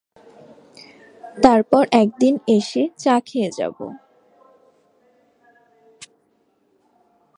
তারপর একদিন এসে চা খেয়ে যাব।